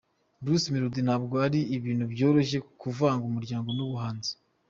Bruce Melody: Ntabwo ari ibintu byoroshye kuvanga umuryango n’ubuhanzi.